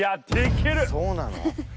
そうなの？